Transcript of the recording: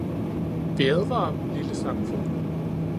Vi advarer Dem, lille sangfugl!